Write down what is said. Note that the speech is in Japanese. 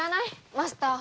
マスター。